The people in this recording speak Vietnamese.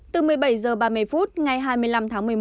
từ một mươi bảy h ba mươi phút ngày hai mươi năm tháng một mươi một